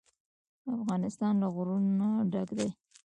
افغانستان له غرونه ډک دی.